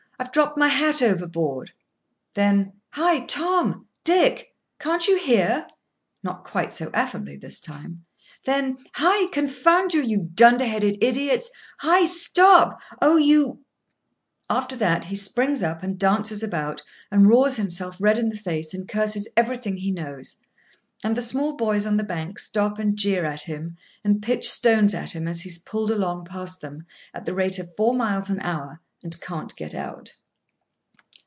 "I've dropped my hat over board." Then: "Hi! Tom—Dick! can't you hear?" not quite so affably this time. Then: "Hi! Confound you, you dunder headed idiots! Hi! stop! Oh you—!" After that he springs up, and dances about, and roars himself red in the face, and curses everything he knows. And the small boys on the bank stop and jeer at him, and pitch stones at him as he is pulled along past them, at the rate of four miles an hour, and can't get out.